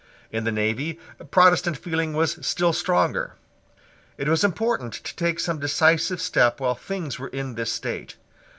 In the navy Protestant feeling was still stronger. It was important to take some decisive step while things were in this state.